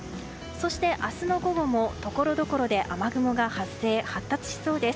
そして明日の午後もところどころで雨雲が発生・発達しそうです。